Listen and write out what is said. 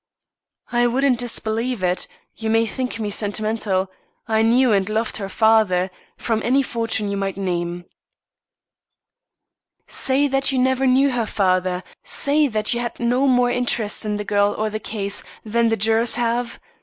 "I wouldn't disbelieve it you may think me sentimental; I knew and loved her father for any fortune you might name." "Say that you never knew her father; say that you had no more interest in the girl or the case, than the jurors have?